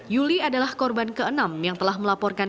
yuli adalah korban ke enam yang telah melaporkan